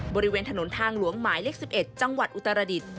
บริเวณถนนทางหลวงหมายเลข๑๑จังหวัดอุตรดิษฐ์